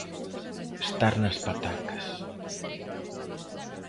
Estar nas patacas.